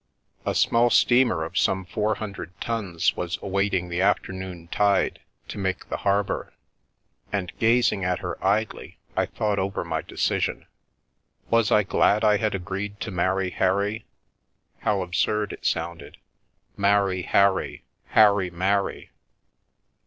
A small steamer of some 400 tons was awaiting the afternoon tide to make the harbour, and gazing at her idly, I thought over my decision. Was I glad I had agreed to marry Harry? How absurd it sounded — Marry Harry, Harry marry!